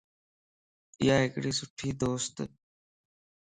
ايا ھڪڙي سٺي دوستَ